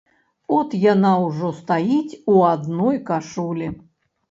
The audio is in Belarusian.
От яна ўжо стаіць у адной кашулі.